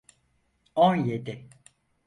On yedi.